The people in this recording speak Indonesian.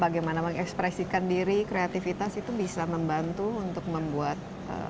bagaimana mengekspresikan diri kreativitas itu bisa membantu untuk membuat